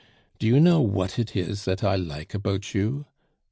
Do you know what it is that I like about you?